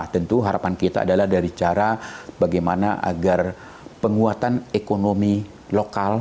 tentu harapan kita adalah dari cara bagaimana agar penguatan ekonomi lokal